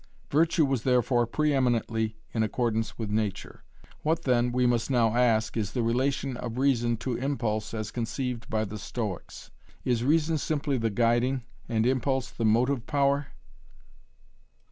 Virtue was therefore pre eminently in accordance with nature. What then we must now ask is the relation of reason to impulse as conceived by the Stoics? Is reason simply the guiding, and impulse the motive power?